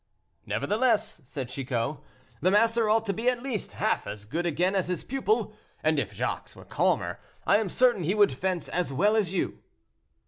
"Nevertheless," said Chicot, "the master ought to be at least half as good again as his pupil, and if Jacques were calmer, I am certain he would fence as well as you."